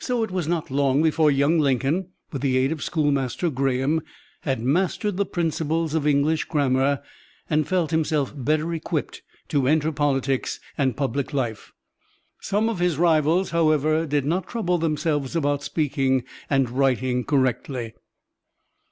So it was not long before young Lincoln, with the aid of Schoolmaster Graham, had mastered the principles of English grammar, and felt himself better equipped to enter politics and public life. Some of his rivals, however, did not trouble themselves about speaking and writing correctly.